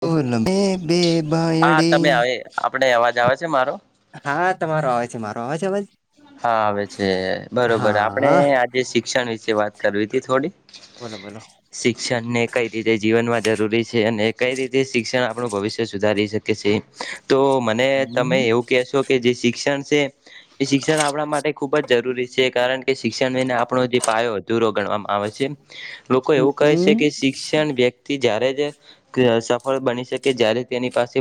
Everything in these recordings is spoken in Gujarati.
બોલ બે-બે બાયડી. આપણે અવાજ આવે છે મારો? મારોવા અવા હા આવે છે બરોબર આપણે હા આજે શિક્ષણ વિશે વાત કરવી હતી થોડી બોલો બોલો શિક્ષણ ને કઈ રીતે જીવનમાં જરૂરી છે અને કઈ રીતે શિક્ષણ આપણું ભવિષ્ય સુધારી શકે છે તો મને તમે હમ એવું કહેશો કે જે શિક્ષણ છે એ શિક્ષણ આપણા માટે ખુબ જ જરૂરી છે કારણ કે શિક્ષણ મેને આપણો જે પાયો દૂરો ગણવામાં આવે છે લોકો એવું કહે છે હમ કે શિક્ષણ વ્યક્તિ જ્યારે સફળ બની શકે જય્યારે તેની પાસે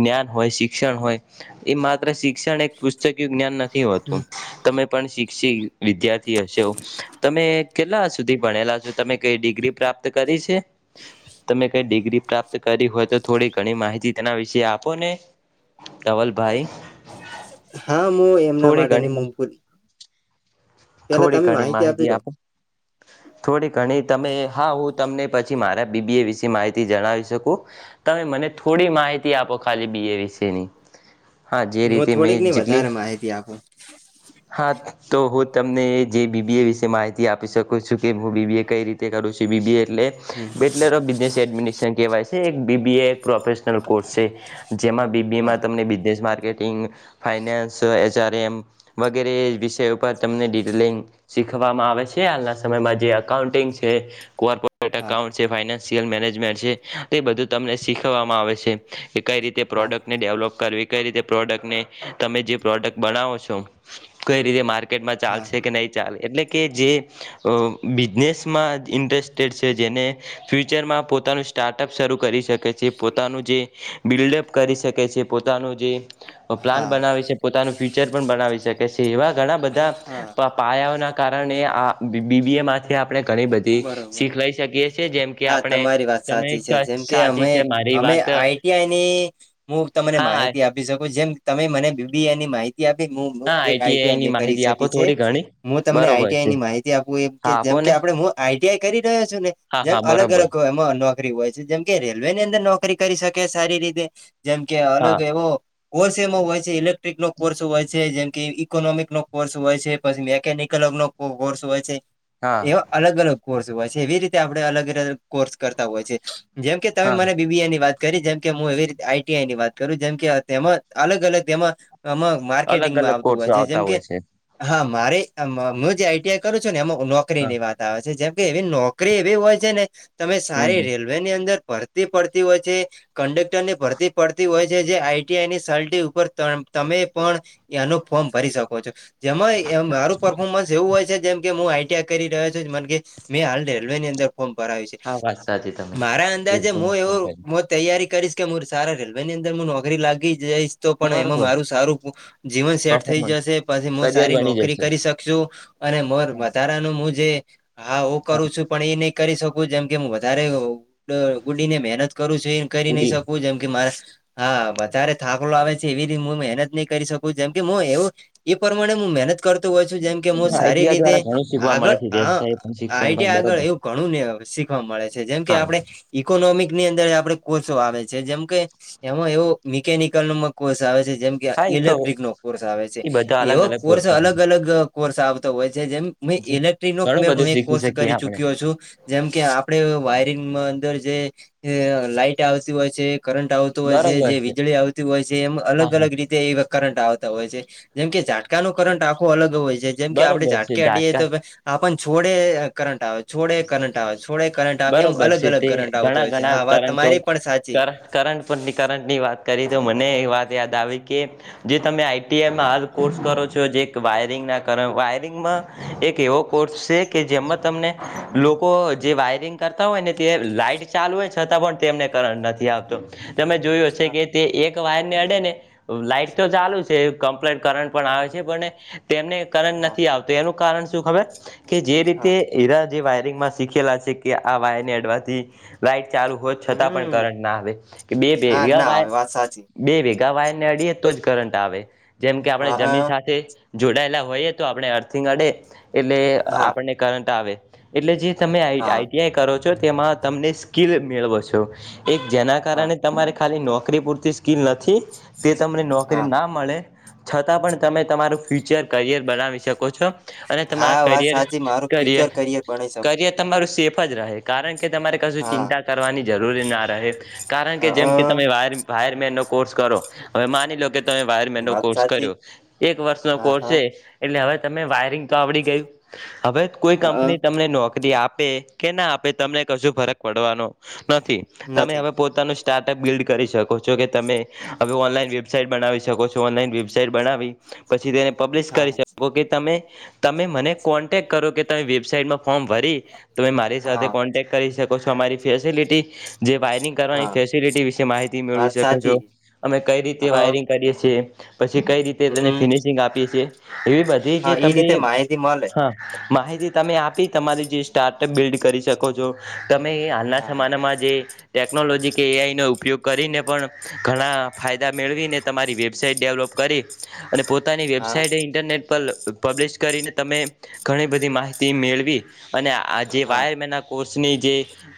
જ્ઞાન હોય શિક્ષણ હોય એ માત્ર શિક્ષણ એક પુસ્તક્યુ જ્ઞાન થી હોતું. તમે પણ શિક્ષિત વિદ્યાર્થી હશો. તમે કેટલા સુધી ભણેલા છો? તમે કઈ ડિગ્રી પ્રાપ્ત કરી છે? તમે કઈ ડિગ્રી પ્રાપ્ત કરી હોય તો થોડી ઘણી માહિતી તેના વિશે આપો ને. કવલભાઈ. હા હું એમના માટેની મુમફૂલી થોડી ઘણી માહિતી દો આપુ. થોડી ઘણી તમે. હા, હું તમને પ થી મારા બીબીએ વિશે માહિતી જણાવી શકો. તમે મને થોડી માહિતી આપો, ખાલી બીએ વિશેની. હા જે મુ રીતે થોડીક મેં ની જેટલી વધારે માહિતી આપું. હા તો હું તમને જે બીબીએ વિશે માહિતી આપી શકું છું કે હું બીબીએ કઈ રીતે કરું છું. બીબીએ એટલે હમ બેચલર ઓફ બિઝનેસ એડમિનિસ્ટન કહેવાય શે. બીબી એ એક પ્રોફેશનલ કોર્સ છે જેમાં બીબી હા એમાં તમને બિઝનેસ માર્કેટ વિ ફાઈનાન્સ વગેરે વિષ તમને ડિટેલિંગ શીખવામાં આવે છે હાલના સમ માં જે એકકાઉન્ટિંગ છે કોર્પરે હા અઉ ફ મેમેન્ટ છે તે બધું તમને શીખવામાં આવે છે કે કઈ રીતે હા પ્રોડક્ટને ડેવલપ કરવી કઈ રીતે પ્રોડક્ટને તમે જે પ્રોડક્ટ બનાવો છો કઈ રીતે માર્કેટમાં હા ચાલશે કે નહી ચાલે એટલે કે જે બિઝનેસમાં ઇન્ટરેસ્ટેડ છે જેને ફ્યુચરમાં પોતાનું સ્ટાર્ટઅપ શરૂ કરી શકે પોતાનું જે બિલ્ડઅપ કરી શકે છે પોતાનું જે પ્લાન હા બનાવી શ પોતાનું ફ્યુચર પણ બનાવી શકે છે. એવા ઘણા બધા હા પ-પાયાના કારણે ને આ બી-બી-બીબીએ માતે આપડે ઘણી બધી બરોબર શીખ લઈ શકીએ છીએ જેમ કે, હા આપણે તમારી તમે, સા-સાચી છે. મારી વા ને આઈટીઆઈની મુ તમને હા હા માહિતી આપી શકુ. ઝેમ તમે મને બીબીઆઈની માહિ ઈ આપે મૂમનું એક આઈટીઆઈ આઈટીઆઈની મે કરી માહિતી આપો શકી છે. થોડી ઘણી મુ તમને બરોબર છે આઈટીઆઈની માહિતી આપું એમ હા કે જે આપો મ ને કે આપડે મુ આઈટીઆઈ કરી રહ્યો શુ ને હા લેમ હા બરાબર અલગ-અલગ ક મ ન નોકરી હોય છે. જેમ કે રેલવેની અંદર નોકરી કરી શકે સારી રીતે. જેમ કે હા અલગ એવો કોર્સ એમો હોય છે, ઇલેક્ટ્રિકનો કોર્સ હોય છે. જેમ કે ઈકોનોમિકનો કોર્સ હોય શે, પછી મેકેનિકલનો કોર્સ હોય શે. હા એવા અલગ-અલગ કોર્સ હોય છે, એવી રીતે આપડે અલગ-અલગ કોર્સ કરતા હોય છે. જેમ કે તમે હા મને બીબીએ ની વાત કરી. જેમ કે, મુ એવી રીતે આઈટીઆઈની વાત કરું, જેમ કે અ તેમાં અલગ-અલગ તેમાં આમા અલગ માર્કેટિંગમાં અલગ આવતું કોર્સો હોય છે. જેમ આવતા કે, છે હન. મારી અમ મુ જે આઈટીઆઈ કરું છું ન એમાં હા નોકરીની વાત આવે છે. જે જેમ કે એવી નોકરી એવી હોય છે ને, તમે હમ સારી રેલવેની અંદર ભરતી પડતી હોય છે. કંડક્ટરની ભરતી પડતી હોય છે, જે આઈટીઆઈની સલ્ટી ઉપર ત્ર તમે પણ એનું ફોર્મ ભરી શકો છો. જેમાય એમ મારું પફોર્મન્સ એવું હોય છે, જેમ કે મુ મુ આઈટીઆઈ કરી રહ્યો છુ જ મન કે મે હાલ રેલવેની અંદર ફોમ ભરાયું છે. હા વાત સાચી તમે મારા અંદાજે મુ એવું મુ તૈયારી કરીશ કે મુ સારા રેલવેની અંદર મુ નોકરી લાગી જઈશ. તો હા પણ એમાં બરોબર મારું સારું જીવન સેટ થઈ પરફોર્મન્સ જશે. પછી મુ કરિયર સારી બની નોકરી જશે કરી શકશું. [unintelligible] અને મર હા વધારાનું મુ જે હા, હું કરું છું. પણ એ નઈ કરી શકું, જેમ કે મુ વધારે [unintelligible] ડ ગુડીને મહેનત કરું છું. એમ કરી નઈ ઉડી શકું. જેમ કે માર હા, વધારે થાકલો આવે છે એવી રીત મુ મહેનત ની કરી શકું. જેમ કે, મુ એવું એ પરમાણે મુ મહેનત કરતો હોય છું, જેમ કે મુ સારી આઈટીઆઈ દ્વારા રીતે ઘણું શીખવા મળે આગળ છે અ વ્યવસાય પણ શિક્ષણ પણ આઈટીઆઈ આગળ બરોબર એવું ઘણું ને શીખવા મળે છે. જેમ કે, હા આપણે ઈકોનોમિકની અંદર આપડે કોર્સો આવે છે. જેમ કે, એમાં એવો મિકેનિકલનો મ કોર્ષ આવે જેમ કે હા એ તો ઇલેક્ટ્રિકનો કોર્સ આવે છે, એ બધા અલગ એવો અલગ કોર્સ કોર્સો આવે અલગ-અલગ કોર્સ આવતો હોય છે. જેમ, મે જે ઇલેક્ટ્રિકનો ઘણું મે બધું પણ એક શીખી કોર્સ શકીએ કરી આપણે ચુક્યો છું. જેમ કે, આપડે વાયરિંગમાં અંદર જે અ લાઈટ આવતી હોય છે કરંટ આવતું હોય છે જે વીજળી આવતી હોય છે એમ હા અલગ હા અલગ રીતે એ કરંટ આવ તા હોય છે જેમ કે ઝાટકાનો કરંટ આખો અલગ હોય જેમ કે આપડે બરોબર છે ઝાટકે જાત હડીએ તો આપણ છોડે કરંટ આવે છોડે કરંટ આવે છોડે કરંટ આવે એમ બરોબર અલગ છે અલગ તે કરંટ આવતો ઘણા હોય છે ઘણા હા વાત કરંટો તમારી પણ સાચી કરંટની કરંટ ની વાત કરી તો મને એ વાત યાદ આવી કે જે તમે આઇટીઆઈમાં હાલ કોર્સ કરો છો જે એક વાયરિંગ ના વાયરિંગમાં એક એવો કોર્સ છે કે જેમાં તમને લોકો જે વાયરિંગ કરતા હોય ને તે લાઈટ ચાલુ હોય છતાં પણ તેમને કરંટ નથી આવતો તમે જોયું હશે હા કે તે એક તો વાયરને અડેને, લાઈટ તો ચાલુ છે કમ્પ્લેટ કરંટ પણ આવે છે. પણ તેમને કરંટ હા નથી આવતો એનું કારણ શું ખબર? કે જે હા રીતે [unintelligible] જે વાયરિંગમાં શીખેલા છે કે, આ વાયરને અડવાથી લાઇટ ચાલુ હોવા છતાં પણ હમ કરટના આવે, કે બે [unintelligible] હા બેય ના હવે વાત સાચી ભેગા તો આ વાયરને અડીએ તો જ કરંટ આવે. જેમ કે આપડે હા જમીન હા સાથે જોડાયેલા હોઈએ, તો આપડે અર્થિંગ અડે એટલે હા આપડને કરંટ આવે એટલે જ એ તમે આઈ હા આઈટ કરો છો તેમાં તમને સ્કીલ મેળવો છો એક જેના હા કારણે તમારે ખાલી નોકરી પૂરતી સ્કીિલ નથી તે તમને હા નોકરી ના મળે છતાં પણ તમે તમારું ફ્યુચર કરિયર બનાવી શકો છો અને તમારા હા વાત કરિયર સાચી મારું કરયર ફ્યુચર કરિયર બની શકું કરિયર તમારું સેફ જ રહે કારણ કે તમારે કશું હા ચિંતા કરવાની જરૂરી ના રહે કારણ કે જેમ કે હા તમે વાયર વાયર મેનનો કોર્સ કરો હવે માની લો કે તમે વાયર મે નો વાત કોર્સ સાચી કર્યો એક વર્ષનો હા કોર્સ હા છે એટલે હવે તમે વાયરિંગતો આવડી ગયું હવે કોઈ હા કંપની તમને નોકરી આપે કે ના આપે તમને કશું ફરક પડવાનો નથી તમે નથી હવે પોતાનું સ્ટાર્ટઅપ બિલ્ડ કરી શકો છો કે તમે હવે ઓનલાઈન વેબસાાઈટ બનાવી શકો છો ઓનલાઈન વેબસાાઈટ બનાવી પછી તેને પબ્લિશ હા કરી શકો કે તમે તમે મને કોન્ટેક કરો કે તમે વેબસાાઈટમાં ફોર્મ ભરી તમે મારી સાથે હા કોન્ટેક કરી શકો છો અમારી ફેસિલિટી જે વાયરિંગ કરવાની હા ફેસિલિટી વિશે માહિતી મેળવી વાત શકો સાચી છો અમે કઈ હ રીતે વાયરિંગ કરીએ છીએ પછી કઈ રીતે તેને હમ ફિનિશિંગ આપીએ છીએ એવી બધી હા જે એઈ તમે રીતે માહિતી મળે હા માહિતી તમે આપી તમારી જે સ્ટાર્ટઅપ બિલ્ડ કરી શકો છો તમે એ હાલના હા સમાનામાં જે ટેકનોલોજી કે એઆઈનો ઉપયોગ કરીને પણ ઘણા ફાયદા મેળવીને તમારી વેબસાઈટ ડેવલોપ કરી અને પોતાની હા વેબસાાઈટે ઇન્ટરનેટ પર પબ્લિશ કરીને તમે ઘણી બધી માહિતી મેળવી અને આ જે હા વાયર મેના કોર્સ ની જે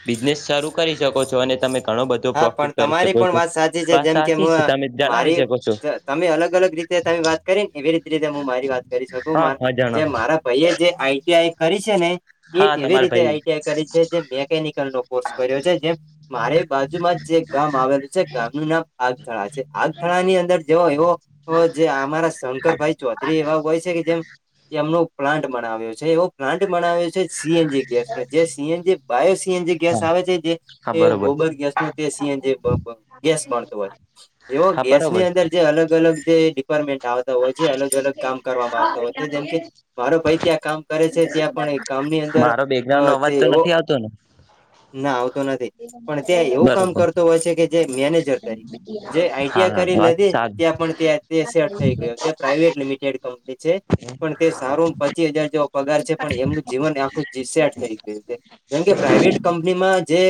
બિઝનેસ શરૂ કરી શકો છો અને તમે ઘણો બધો હા પણ પ્રોફિટ કરી તમારી શકો પણ છો વાત સાચી છે વાત જેમ કે મ સાચી છે તમે મારી જણાવી શકો છો તમે અલગ અલગ રી તે તમે વાત કરીને એવી રી રીતે હું મારી વાત કરી શકું હા માર હા જે જણાવ મારા ભાઈ જે આઈટીઆઈ કરી છે ને એ હા એવી તમારા રીતે ભાઈ આઆઈ કરી છે જે મેકેનિકલ નો કોર્સ કર્યો છે જેમ મારે બાજુ જે ગામ આવેલું છે ગામ ન નામ આગથળ છે આગથળ ની અંદર જેવો એવો જે અરા શંકરભાઈ ચૌધરી એવા હોય છે કે જેમ એમનો પ્લાન્ટ બનાવ્યો છે એવો પ્લાન્ટ બનાવ્યો છે સીએનજી ગેસ ન જે સીએનજી બાયો સીએનજી ગેસ હા આવે છે હા જે બરોબર ગોબર ગેસ ગેસતો હોય એવ હા ગેસની બરોબર અંદર જે અલગ અલગ જે ડિપાર્ટમેન્ટ આવતા હોય છે અલગ અલગ કામ કરવામાં આવતા હોય છે જેમ કે મારો ભાઈ ત્યાં કામ કરે છે ત્યાં પણ કામ મારો બેકગ્રાઉન્ડ નો અવાજ તો અરવ નથી આવતો ને ના આવતો નથી પણ ત એવું કામ બરોબર કરતો હોય છે કે જે મેનેજર તરીકે જે હા આઈડિયા હા કરી વાત લીધી સારું ત્યાં પણ ત થઈ ગયો પ્રાઈવેટ લિમિટેડ કંપની છે પણ તે સારો પચીસ હજાર જેવો પગાર છે પણ એમનુ ન આખું જી થઈ ગયું જેમકે પ્રાઈવેટ કંપનીમાં જે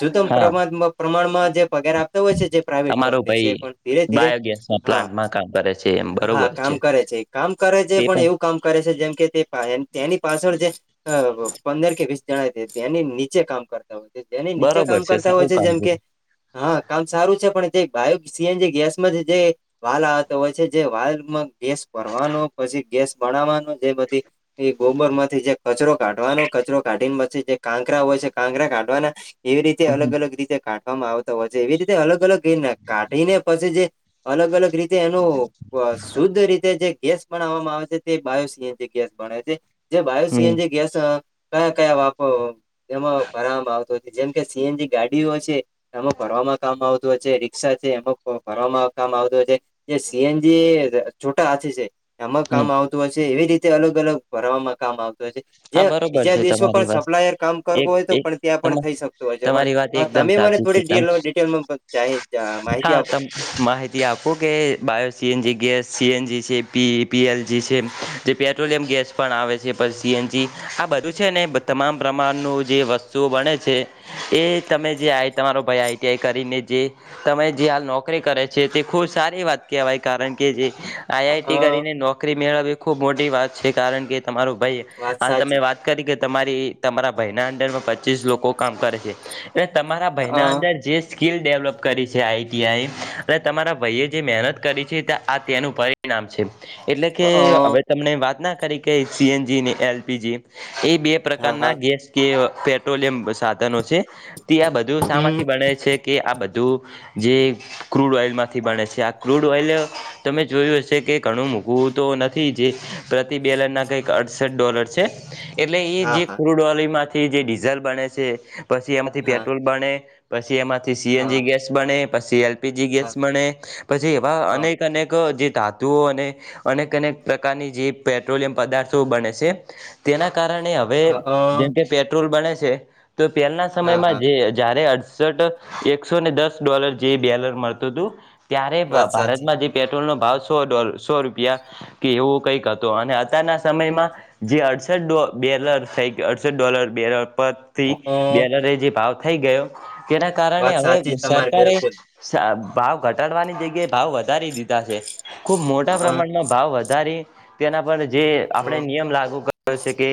વજુતમ હા પ્રમાણમાં જે પગાર આપતા હોય છે જે પ્રાઈવેટ તમારો કંપની છે ભાઈ પણ ધીરે ધીરે બાયોગેસ ના હા પ્લાન્ટમાં કામ કરે છે એમ હા બરોબર કામ કરે છે કામ કરે છે પણ એવું કામ કરે છે જેમ કે તે તેની પા પા જે પંદર કે વીસ જાય તૅ નીચે કામ કરતા હોય છે તેની નીચે બરોબર કામ કરતા હોય સારું છે કામ જેમ કે હા કામ સારું છે પણ જે બાયો સીએનજી ગેસમાં જે જે વાલ આવતો હોય છે જે વાલમાં ગેસ ભરવાનો પછી ગેસ બનાવાનો જેમાંથી એ ગોબર માંથી જે કચરો કાઢવાનો કચરો કાઢીને પછી જે કાંકરા હોય છે કાંકરા કાઢવાના એવી રીતે અલગ હમ અલગ રીતે કાઢવામાં આવતા હોય છે એવી રીતે અલગ અલગ કાઢીને પછી જે અલગ અલગ રીતે એનું શુદ્ધ રીતે જે ગેસ પણનાવામાં આવે છે તે બાયો સીએનજી ગેસ ભરે છે જે બાયો હમ સીએનજી ગેસ કયા કયા વાહનોમાં જેમા ખરાબ આવતો જેમ કે સીએનજી ગાડીઓ છે એમાં ભરવામાં કામ આવતુ હોય છે રિક્ષા છે એમાં ભરવામાં કામ આવતુ હો છે સીએનજી છોટા હાથી છે આમાં હમ કામ આવતું હોય છે એવી રીતે અલગ અલગ ભરવામાં કામ આવતુ હા જેમ બરોબર બીજા છે દેશો તમારી પણ વાત સપ્લાયર કામ કરવું એક હોય તો એક પણ ત્યાં પણ તમા થઈ શકે. તમારી વાત એકદમ સાચી છે તે ડિટેલમાં માહિતી હા આપો તમ માહિતી આપો. કે બાયો સીએનજીી કીટ સીએનજી છે પીએલજી છે જે પેટ્રોલિયમ ગેસ પણ આવે છે પછી સીનજી આ બધું છે ને તમામ પ્રમાણનું જે વસ્તુઓ બને છે એ તમે જે તમારો ભાઈ આઈટીઆઈ કરીને જે તમે જે હાલ નોકરી કરે છે તે ખુબ સારી વાત કહેવાય. કારણ કે જે આઈઆઈટી હા કરીને નોકરી મેળવવી ખુબ મોટી વાત છે કારણ કે તમારો ભાઈ વાત હ તમે સાચી વાત કરી કે તમારી તમારા ભયના અંદરમાં પચીસ લોકો કામ કરે છે તમારા ભયના હા અંદર જે સ્કીિલ ડેવલપ કરી છે આઈટીઆઈ અને તમારા ભયે જે મહેનત કરી છે આ તેનું પરિણામ છે. એટલે કે હા હવે તમને વાત ના કરી કે સીએનજીની એલપીજી એ બે હા પ્રકારના હા ગેસ કે પેટ્રોલિયમ સાધનો છે. તે આ બધું હમ શામાંથી બને છે કે આ બધું જે ક્રૂડ ઓઈલ માંથી બણે છે આ ક્રૂડ ઓઇલ તમે જોયું હશે કે ઘણું હુતો નથી જે પ્રતિ બેલર ના કઈક ડોલર છે એટલે એ હા જે હા કુઙ ડોલર માંથી જે ડીઝલ બને છે પછી એમાંથી હા પેટ્રોલ બને પછી એમાંથી સીએનજીી હા ગેસ બને પછી એલપીજી એલપીજી હા ગેસ મળે પછી એવા હા અનેક અનેક જે ધાતુઓ અને અનેક અનેક પ્રકારની જે પેટ્રોલિયમ પદાર્થો બને છે તેના વે હા જેમ કે પેટ્રોલ બને છે તો પહેલાના હા સમયમાં હા જે જારે સઠ એકસોને દસ ડોલર જે બેલર મળતું હતું. ત્યારે વાત સાચી ભારતમાં જે પેટ્રોલ નો ભાવ સો દોઢસો રૂપિયા એવું કઈક હતું અને અત્યારના સમયમાં જે અડસઠ બેલર થઈ અડસઠ ડોલર બેલર હ પરથી બેલર જે ભાવ થઈ ગયો જેના કારણે વાત હવે સાચી તમારે સરકારે બિલકુલ ભાવ ઘટાડવાની જગ્યાએ ભાવ વધારી દીધા છે ખૂબ મોટા હા પ્રમાણમાં ભાવ વધારી તેના પર જે આપણે હમ નિયમ લાગુ કર્યો છે કે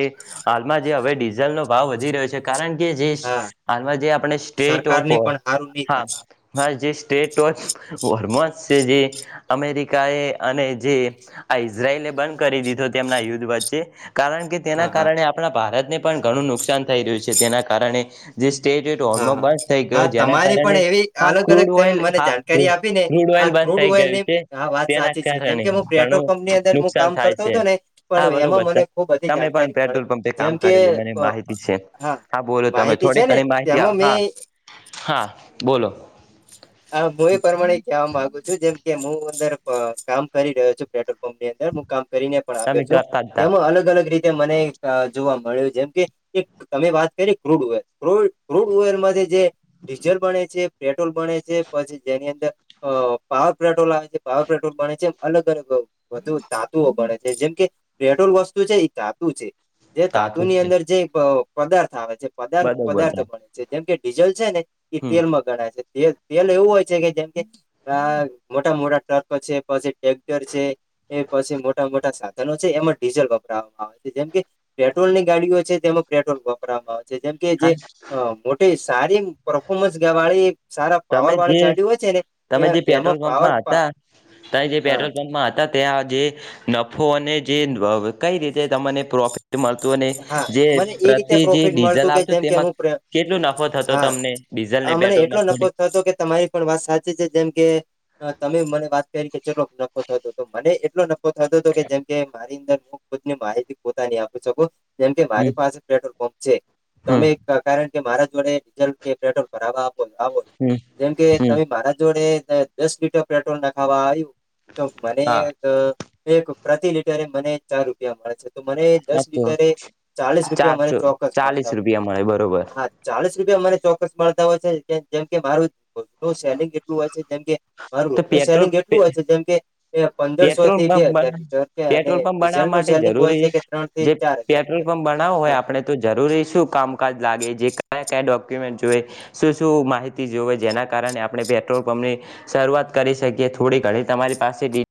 હાલમાં જે હવે ડીઝલ નો ભાવ વધી રહ્યો છે કારણ કે જે હા હાલમાં જે આપણે સ્ટેટ ઓફ સરકારની હોય પણ સારું નહી હા થાય હ જે સ્ટટ વો છે જે અમેરિકા એ અને જે આ ઈઝરાયલ બંધ કરી દીધો તેમના યુદ્ધ વચ્ચે કારણ કે તેના હા હા કારણે આપણા ભારતને પણ ઘણું નુકસાન થઈ રહ્યું છે તેના કારણે જે સ્ટેજ હા હોર્મો હા બંધ થઈ ગયો હા જેના તમારી કારણે પણ એવી હા અલગ અલગ ક્રૂડ તમે ઓઇલ મને હા જાણકારી આપી ને ક્રૂડ ઓ આ લ બંધ ક્રૂડ થઈ ઓઇલ ગયું ની છે હા વાત તેના સાચી છે જેમ કારણે કે હું પેટ્રોલ ઘણું પંપ ની અંદર હું નુકસાન કામ થાય કરતો છે હતો ને હા પણ એમાં બરોબર છે મને ખુબ બધી તમે પણ જાણકારી મળે પેટ્રોલ પંપે જેમ કામ કે કરેલી મને અ, માહિતી છે હા બોલો તમે માહિતી છે થોડી ને ઘણી ત્યાં તેમાં મેં હા હા બોલો. હા હ એ પરમાણે કહેવા માંગુ છું જેમ કે હું અંદર કામ કરી રહ્યો છું પેટ્રોલ પંપ ની અંદર હું કામ કરીને પણ તમે આવ્યો છું કરતા જ તા તેમાં અલગ અલગ રીતે મને જોવા મળ્યું જેમ કે તમે વાત કરી ક્રૂડ ઓલ ક્રૂડ ઓલમાં જે ડીઝલ બને છે. પેટ્રોલ બને છે પછી જેની અંદર અ પાવર પેટ્રોલ આવે છે પાવર પેટ્રોલ બને છે એમ અલગ અલગ વધુ ધાતુઓ પડે છે જેમ કે પેટ્રોલ વસ્તુ છે એ ધાતુ છે જે તાતું ધાતુની છે. અંદર જે પદાર્થ આવે છે પદાર્થ બરોબર પદાર્થ તા બને છે જેમ કે ડીઝલ છે ને એ હમ તેલમાં ગણાય તેલ તેલ એવું હોય છે કે જેમ કે મોટા મોટા ટ્રકો છે પછી ટટેક્ટર છે એ પછી મોટા મોટા સાધનો છે એમાં ડીઝલ વપરાવામાં આવે છે જેમ કે પેટ્રોલ ની ગાડીઓ છે તે પલેટ્રોલ વાપરવામાં આવે છે જેમ કે જે હા મોટી સારી પરફોર્મન્સ ગવાળી તમે જે તમે જે પેટ્રોલ એમાં પાવર પંપમાં હતા તમે જે હા પેટ્રોલ પંપમાં હતા ત્યાં જે નફો અને જે કઈ રીતે તને પ્રોફ મળતું અને હા જે મને એ રીતે પ્રતિ જે પ્રોફિટ ડીઝલ મળતું કે આવતું જેમ કે તેમાં હું કેટલોું નફો હતો તમને ડીઝલ ને પેટ્રોલમાં ફો થોડી થ કે તમારી પણ વાત સાચી છે જેમ કે તમે મને વાત કરી કે ચટલો નફો થતો હતો મને એટલો નફો થતો હતો કે જેમ કે મારી અંદર [unintelligible] માહિતી પોતાની આપી શકો જેમ કે મારી હમ પાસે પેટ્રોલ પંપ છે હમ તમે કારણ કે મારા જોડે ડીઝલ કે પેટ્રોલ ભરાવાો આવો હમ જેમકે હમ તમે મારા જોડે દસ લીટર પેટ્રોલ નાખાવા આવ્યું તો મને હા એક પ્રતિ લીટરે મને ચાર રૂપિયા મળે છે તો મને દસ હા તો લીટરે ચાલીસ રૂપિયા મને ચારસો ચોક્કસ ચાલીસ મળતા હોય રૂપિયા મળે બરોબર હા ચાલીસ રૂપિયા મને ચોક્કસ મળતા હોય છે જેમ કે મારું સેલિંગ એટલું હોય છે જેમ કે તો બરોબર પેટ્રોલ સેલિંગ પે એટલું હોય છે જેમ કે એ પંદરસો પેટ્રોલ થી બે પંપ હજાર બના લીટર કે અને પેટ્રોલ પંપ ડીઝલ બનાવવા નું માટે સેલિંગ હોય છે કે ત્રણ થી ચાર હજાર લીટર બણવો હોય આપણે તો જરૂરી શું કામકાજ લાગે જે કયા કયા ડોક ોુમેન્ટ જોએ શું શું માહિતી જોએ જેના કારણે આપણે પેટ્રોલ પંપની શરૂઆત કરી શકીએ થોડી ઘણી તમારી પાસે